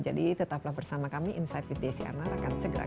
jadi tetaplah bersama kami insight with desy anwar akan segera kembali